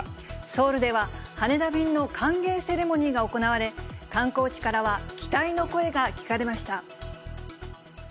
ソウルでは、羽田便の歓迎セレモニーが行われ、観光地からは期待の声が聞かれました。